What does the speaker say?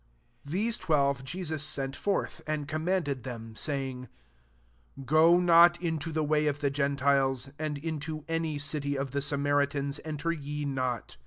5 These twelve Jesus sent forth, and commanded them, saying, " Go not into the way of the gentiles, and m\,o any city of the Samaritans enter ye not.